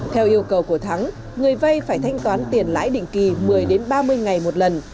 theo yêu cầu của thắng người vay phải thanh toán tiền lãi định kỳ một mươi ba mươi ngày một lần